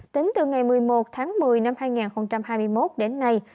tính từ ngày một mươi một tháng một mươi năm hai nghìn hai mươi một đến nay